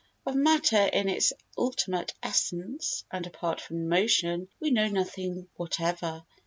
Of matter in its ultimate essence and apart from motion we know nothing whatever.